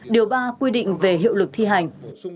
điều ba quy định về hiệu lực thi hành